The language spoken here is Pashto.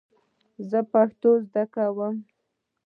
زه پښتو زده کوم .